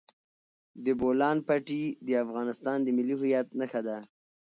د بولان پټي د افغانستان د ملي هویت نښه ده.